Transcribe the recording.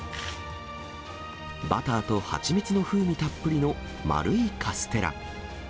バターと蜂蜜の風味たっぷりの丸いカステラ。